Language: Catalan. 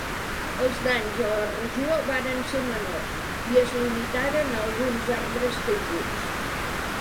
Els danys a la regió varen ser menors i es limitaren a alguns arbres caiguts.